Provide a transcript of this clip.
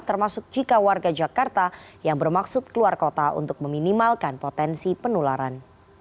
termasuk jika warga jakarta yang bermaksud keluar kota untuk meminimalkan potensi penularan